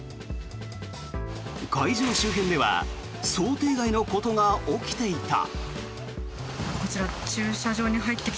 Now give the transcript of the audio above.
会場周辺では想定外のことが起きていた。